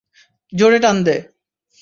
জোরে টান দে।